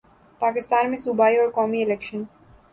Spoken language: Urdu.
پاکستان میں صوبائی اور قومی الیکشن